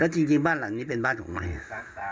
แล้วจริงจริงบ้านหลังนี้เป็นบ้านของใคร